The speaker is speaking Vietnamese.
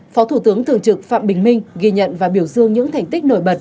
phó thủ tướng thường trực phạm bình minh ghi nhận và biểu dương những thành tích nổi bật